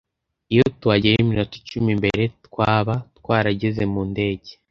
Iyo tuhagera iminota icumi mbere, twaba twarageze mu ndege.